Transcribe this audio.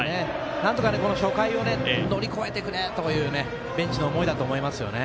なんとか初回を乗り越えてくれというベンチの思いだと思いますね。